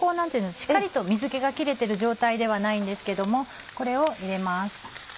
しっかりと水気が切れてる状態ではないんですけどもこれを入れます。